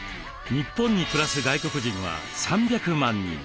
日本に暮らす外国人は３００万人。